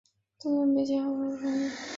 作品多由建阳余氏书坊承印。